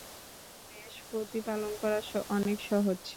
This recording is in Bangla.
শিং বিহীন মেষ প্রতিপালন করা অনেক সহজ।